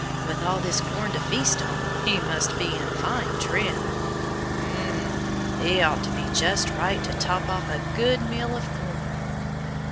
"With all this corn to feast on he must be in fine trim. Mm! He ought to be just right to top off a good meal of corn."